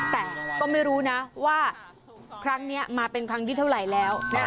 แต่ก็ไม่รู้นะว่าครั้งนี้มาเป็นครั้งที่เท่าไหร่แล้ว